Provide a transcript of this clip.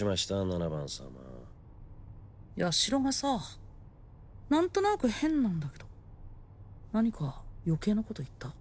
七番様ヤシロがさ何となーく変なんだけど何か余計なこと言った？